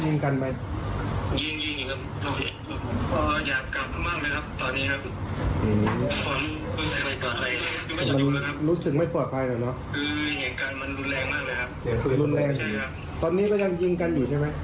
ยิงกันอยู่ครับอยู่ใกล้ใกล้เลยครับ